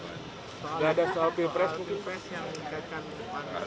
tinggal negara negara becomeskita ini bertetangga bertanya dong lempel sekarang